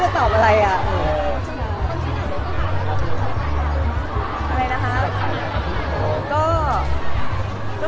ก็หวังว่าจะดี